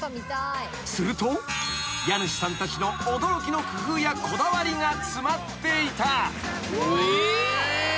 ［すると家主さんたちの驚きの工夫やこだわりが詰まっていた］